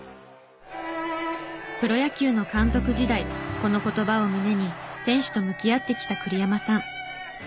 プロ野球の監督時代この言葉を胸に選手と向き合ってきた栗山さん。